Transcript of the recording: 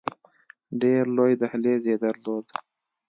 ډېر لوی دهلیز یې درلود.